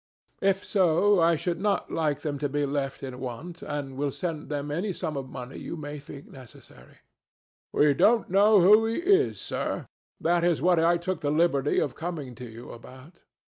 "If so, I should not like them to be left in want, and will send them any sum of money you may think necessary." "We don't know who he is, sir. That is what I took the liberty of coming to you about."